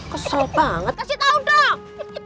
kesel banget kasih tau dong